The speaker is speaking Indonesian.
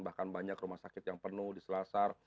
bahkan banyak rumah sakit yang penuh di selasar